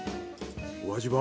お味は？